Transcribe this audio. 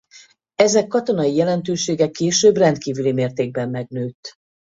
Ezek katonai jelentősége később rendkívüli mértékben megnőtt.